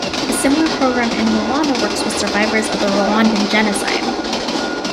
A similar program in Rwanda works with survivors of the Rwandan genocide.